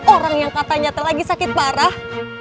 orang yang katanya lagi sakit parah